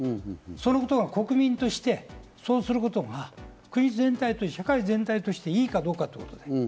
そのことが国民として、そうすることが国全体として社会全体として良いかということ。